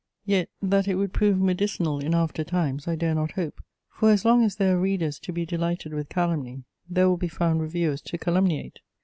Yet that it would prove medicinal in after times I dare not hope; for as long as there are readers to be delighted with calumny, there will be found reviewers to calumniate.